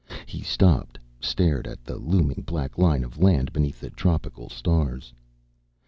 He stopped, stared at the looming black line of land beneath the tropical stars.